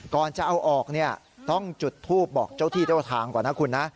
ก่อนจะเอาออกเนี่ยต้องจุดทูปบอกเจ้าที่เจ้าทางก่อนนะคุณนะ